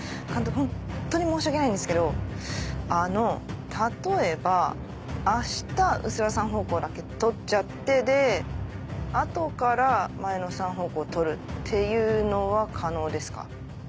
ホントに申し訳ないんですけどあの例えばあした臼田さん方向だけ撮っちゃってで後から前野さん方向撮るっていうのは可能ですか？